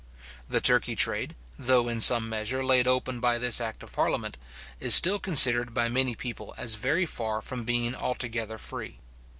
The Turkey trade, though in some measure laid open by this act of parliament, is still considered by many people as very far from being altogether free.